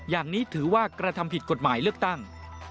อย่างนี้ถือว่ากระทำผิดกฎหมายเลือกตั้ง